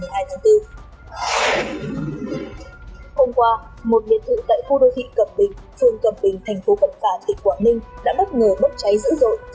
hôm qua một biệt thự tại khu đô thị cẩm bình phường cầm bình thành phố cẩm phả tỉnh quảng ninh đã bất ngờ bốc cháy dữ dội